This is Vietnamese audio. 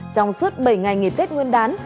trong suốt bảy ngày nghề tết nguyên đán